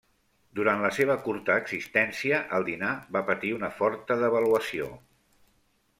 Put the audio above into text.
Durant la seva curta existència, el dinar va patir una forta devaluació.